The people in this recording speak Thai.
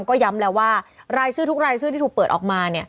ก็ย้ำแล้วว่ารายชื่อทุกรายชื่อที่ถูกเปิดออกมา